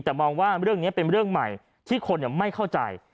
แต่มองว่าเรื่องนี้เป็นเรื่องใหม่ที่คนไม่เข้าใจ